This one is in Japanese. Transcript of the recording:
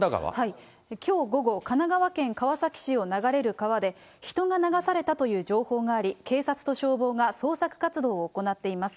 きょう午後、神奈川県川崎市を流れる川で人が流されたという情報があり警察と消防が捜索活動を行っています。